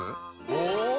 お！